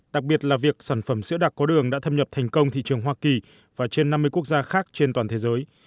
đặc biệt là việc sản phẩm sữa đặc có đường đã thâm nhập thành công thị trường hoa kỳ và trên năm mươi quốc gia khác trên toàn thế giới